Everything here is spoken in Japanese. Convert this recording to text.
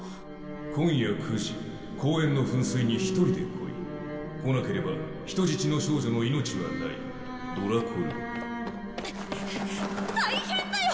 「今夜９時公園の噴水に一人で来い」「来なければ人質の少女の命はない」「ドラコルル」大変だよ！